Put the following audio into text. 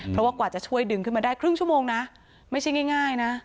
เพราะว่ากว่าจะช่วยดึงขึ้นมาได้ครึ่งชั่วโมงนะไม่ใช่ง่ายนะ